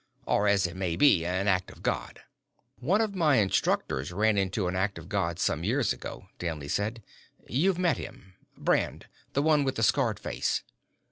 Or, as it may be, an act of God." "One of my instructors ran into an act of God some years ago," Danley said. "You've met him. Brand the one with the scarred face."